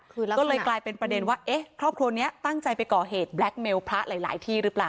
ก็เลยกลายเป็นประเด็นว่าเอ๊ะครอบครัวนี้ตั้งใจไปก่อเหตุแล็คเมลพระหลายหลายที่หรือเปล่า